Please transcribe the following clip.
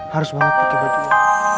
harus banget pake baju mu